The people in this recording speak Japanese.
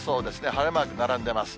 晴れマーク並んでます。